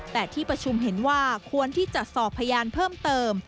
แต่ที่ประชุมเห็นว่าควรที่จะสอบพยานเพิ่มเติม